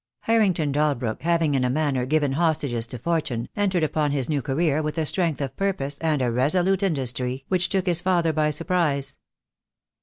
Harrington Dalbrook, having in a manner given hostages to Fortune, entered upon his new career with a strength of purpose and a resolute industry which took his father by surprise.